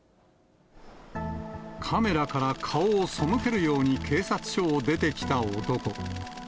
カメラから顔を背けるように警察署を出てきた男。